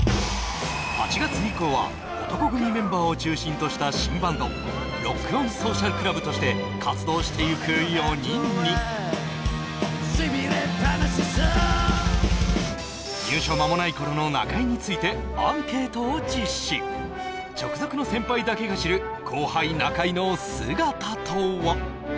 ８月以降は男闘呼組メンバーを中心とした新バンドＲｏｃｋｏｎＳｏｃｉａｌＣｌｕｂとして活動してゆく４人に痺れっぱなしさ入所間もない頃の中居についてアンケートを実施直属の先輩だけが知る後輩中居の姿とは？